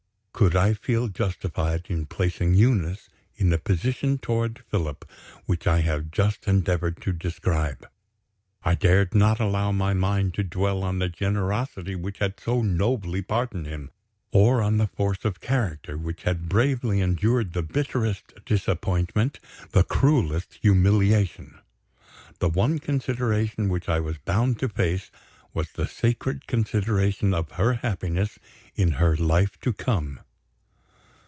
Could I feel justified in placing Eunice in the position toward Philip which I have just endeavored to describe? I dared not allow my mind to dwell on the generosity which had so nobly pardoned him, or on the force of character which had bravely endured the bitterest disappointment, the cruelest humiliation. The one consideration which I was bound to face, was the sacred consideration of her happiness in her life to come.